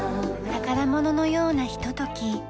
宝物のようなひととき。